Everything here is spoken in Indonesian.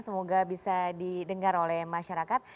semoga bisa didengar oleh masyarakat